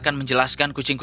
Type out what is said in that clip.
saya menggemaskirkan lainnya